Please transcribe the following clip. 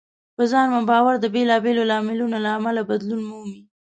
په ځان مو باور د بېلابېلو لاملونو له امله بدلون مومي.